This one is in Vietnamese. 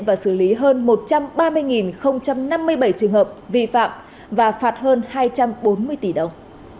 và xử lý hơn một trăm ba mươi năm mươi bảy trường hợp vi phạm và phạt hơn hai trăm bốn mươi tỷ đồng